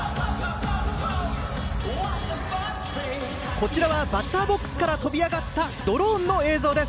こちらはバッターボックスから飛び上がったドローンの映像です。